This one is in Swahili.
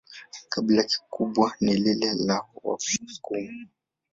Kabila kubwa ni lile la Wasukuma.